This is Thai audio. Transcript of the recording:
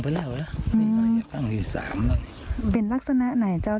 อะยิงทรายการ